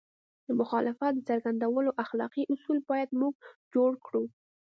د مخالفت د څرګندولو اخلاقي اصول باید موږ جوړ کړو.